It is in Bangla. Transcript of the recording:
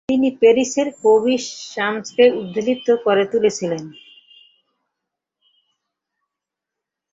তিনি প্যারিসের কবিসমাজকে উদ্বেলিত করে তুলেছিলেন।